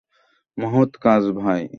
মহৎ কাজ, ভাই!